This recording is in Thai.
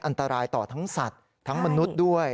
อันตรายต่อทั้งสัตว์ทั้งมนุษย์ด้วย